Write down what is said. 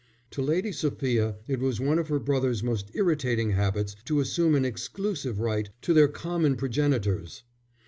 To Lady Sophia it was one of her brother's most irritating habits to assume an exclusive right to their common progenitors.